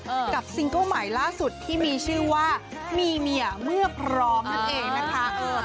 กับซิงเกิ้ลใหม่ล่าสุดที่มีชื่อว่ามีเมียเมื่อพร้อมนั่นเองนะคะเออ